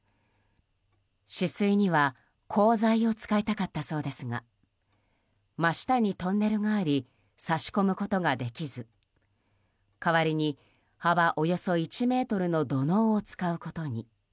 止水には鋼材を使いたかったそうですが真下にトンネルがあり差し込むことができず代わりに幅およそ１ｍの土のうを使うことに。